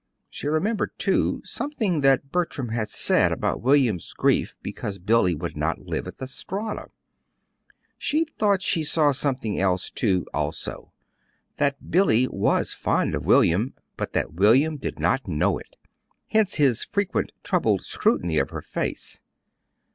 She remembered, too, something that Bertram had said about William's grief because Billy would not live at the Strata. She thought she saw something else, also: that Billy was fond of William, but that William did not know it; hence his frequent troubled scrutiny of her face.